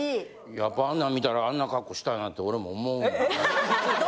やっぱあんなん見たらあんな恰好したいなって俺も思うもんな。